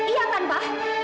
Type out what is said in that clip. iya kan pak